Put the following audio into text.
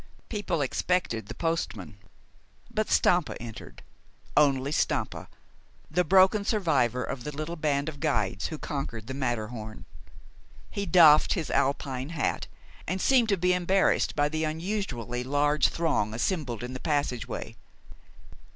People expected the postman; but Stampa entered, only Stampa, the broken survivor of the little band of guides who conquered the Matterhorn. He doffed his Alpine hat, and seemed to be embarrassed by the unusually large throng assembled in the passageway.